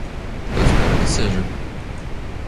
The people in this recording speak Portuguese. Eu espero que seja.